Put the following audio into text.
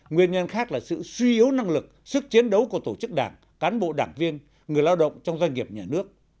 nguyên nhân khác là sự suy yếu năng lực sức chiến đấu của tổ chức đảng cán bộ đảng viên người lao động trong doanh nghiệp nhà nước